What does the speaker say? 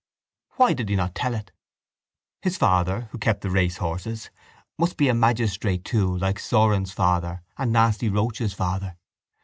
Why did he not tell it? His father, who kept the racehorses, must be a magistrate too like Saurin's father and Nasty Roche's father.